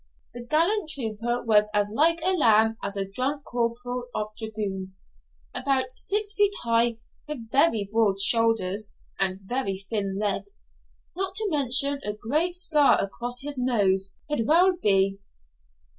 The gallant trooper was as like a lamb as a drunk corporal of dragoons, about six feet high, with very broad shoulders, and very thin legs, not to mention a great scar across his nose, could well be.